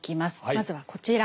まずはこちら。